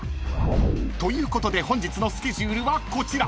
［ということで本日のスケジュールはこちら］